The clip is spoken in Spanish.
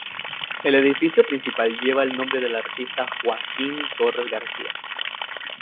El edificio principal lleva el nombre del artista Joaquín Torres García.